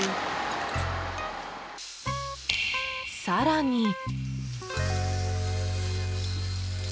更に。